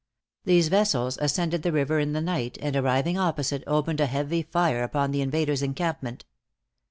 These vessels ascended the river in the night, and arriving opposite, opened a heavy fire upon the invaders' encampment.